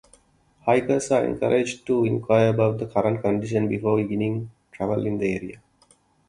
Hikers are encouraged to inquire about current conditions before beginning travel in the area.